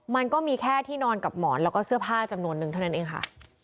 มันก็มีแค่ที่นอนกับหมอนแล้วก็เสื้อผ้าจำนวนนึงเท่านั้นเองค่ะ